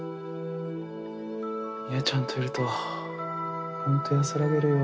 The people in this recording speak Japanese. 深愛ちゃんといると本当安らげるよ。